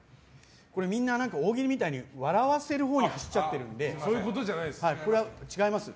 みんな大喜利みたいに笑わせるほうに走っちゃっているのでこれは違いますよ。